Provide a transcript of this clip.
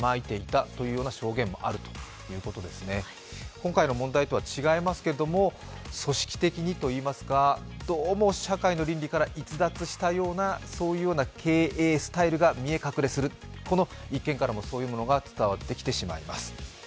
今回の問題とは違いますけども、組織的にと言いますか、どうも社会の倫理から逸脱したような経営スタイルが見え隠れする、この一件からもそういったものが伝わってきてしまいます。